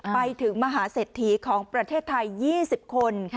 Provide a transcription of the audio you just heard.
ไปถึงมหาเศรษฐีของประเทศไทย๒๐คน